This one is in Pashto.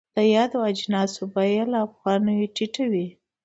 د یادو اجناسو بیه له افغانیو ټیټه وي.